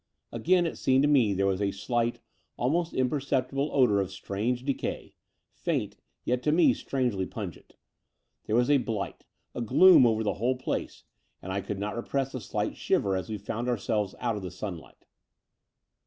Again, it seemed to me that there was a slight, almost im ^ perceptible odour of strange decay, faint, yet to me strangely jmngent. There was a bUght, a gloom over the whole place; and I could not repress a slight shiver as we found ourselves out of the sun Ught.